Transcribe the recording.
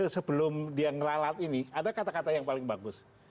sebelum dia ngeralat ini ada kata kata yang paling bagus